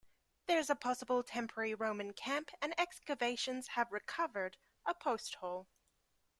There is a possible temporary Roman camp and excavations have recovered a posthole.